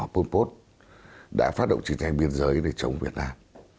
pol pot đã phát động chiến tranh biên giới để chống việt nam